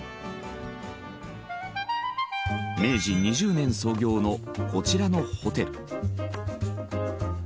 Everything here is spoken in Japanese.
明治２０年創業のこちらのホテル。